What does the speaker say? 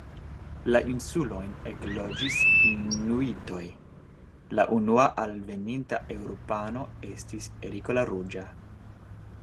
La insulojn ekloĝis inuitoj, la unua alveninta eŭropano estis Eriko la ruĝa.